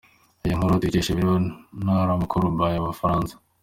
Iyi nkuru tuyikesha Ibiro Ntaramakuru byAbafaransa.